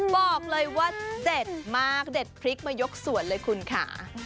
บอกเลยว่าเด็ดมากเด็ดพริกมายกสวนเลยคุณค่ะ